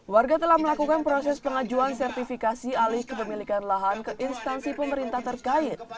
warga telah melakukan proses pengajuan sertifikasi alih kepemilikan lahan ke instansi pemerintah terkait